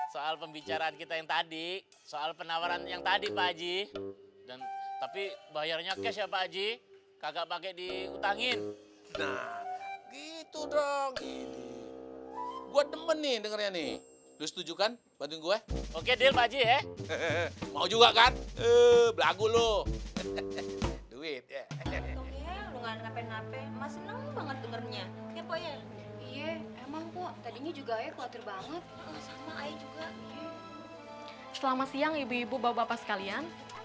selamat siang ibu ibu bapak bapak sekalian